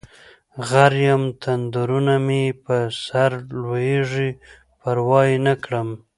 غر یم تندرونه مې په سرلویږي پروا یې نکړم